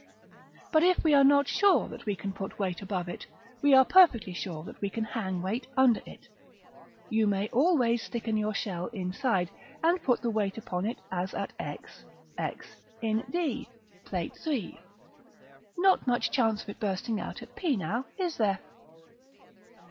§ VI. But if we are not sure that we can put weight above it, we are perfectly sure that we can hang weight under it. You may always thicken your shell inside, and put the weight upon it as at x x, in d, Plate III. Not much chance of its bursting out at p, now, is there?